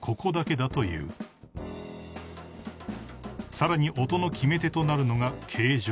［さらに音の決め手となるのが］